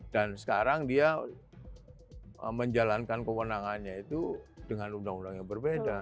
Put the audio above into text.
dan sekarang dia menjalankan kewenangannya itu dengan undang undang yang berbeda